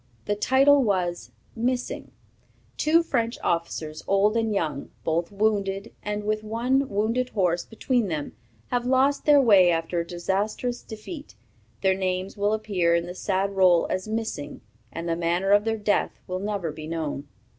The title was "Missing." "Two French officers, old and young, both wounded, and with one wounded horse between them, have lost their way after a disastrous defeat; their names will appear in the sad roll as missing, and the manner of their death will never be known."